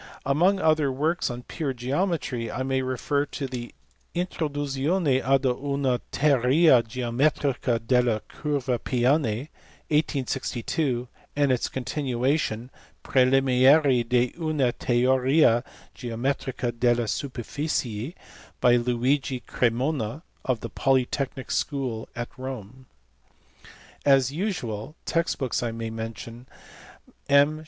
Among other works on pure geometry I may refer to the 312 484 GRAPHICS. Introduzione ad una teoria yeometrica delle curve piane, 1862, and its continuation Preliminari di una teoria geometrica delle superficie by Luigi Cremona, of the Polytechnic School at Rome. As usual text books I may mention M.